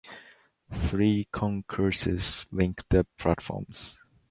Three concourses link the platforms.